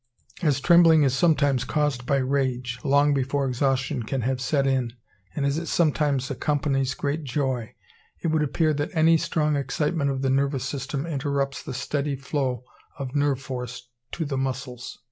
As trembling is sometimes caused by rage, long before exhaustion can have set in, and as it sometimes accompanies great joy, it would appear that any strong excitement of the nervous system interrupts the steady flow of nerve force to the muscles.